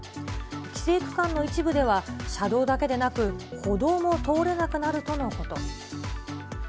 規制区間の一部では、車道だけでなく歩道も通れなくなるとのこと。